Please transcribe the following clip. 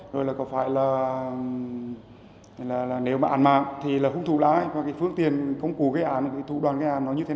rồi có phải là nếu mà án mạng thì hùng thủ là ai phương tiện công cụ gây án thủ đoàn gây án nó như thế nào